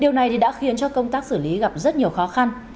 điều này đã khiến cho công tác xử lý gặp rất nhiều khó khăn